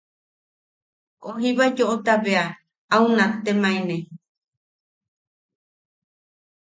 O jiba yoʼota bea au nattemaine.